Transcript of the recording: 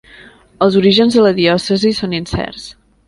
Els orígens de la diòcesi són incerts.